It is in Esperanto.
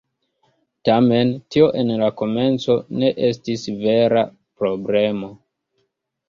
Tamen, tio en la komenco ne estis vera problemo.